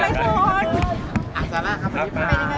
ซาร่าครับ